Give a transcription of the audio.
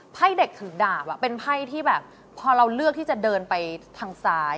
ไพ่เด็กถือดาบเป็นไพ่ที่แบบพอเราเลือกที่จะเดินไปทางซ้าย